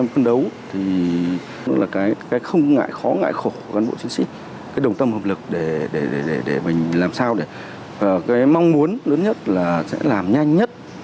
các cán bộ chiến sĩ đồng tâm hợp lực để mình làm sao để mong muốn lớn nhất là sẽ làm nhanh nhất